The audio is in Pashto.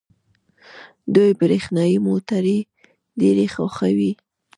دوی برښنايي موټرې ډېرې خوښوي.